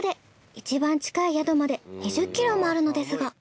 いちばん近い宿まで２０キロもあるのですが。